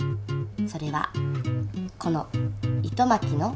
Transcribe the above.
それはこの糸まきの。